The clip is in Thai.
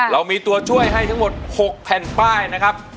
เรามีตัวช่วยให้ทั้งหมด๖แผ่นป้ายนะครับ